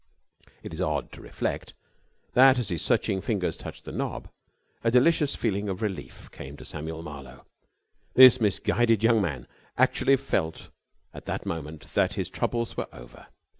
It is odd to reflect that, as his searching fingers touched the knob, a delicious feeling of relief came to Samuel Marlowe. This misguided young man actually felt at that moment that his troubles were over.